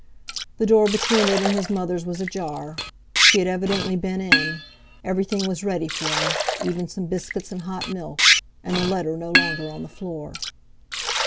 The door between it and his mother's was ajar; she had evidently been in—everything was ready for him, even some biscuits and hot milk, and the letter no longer on the floor.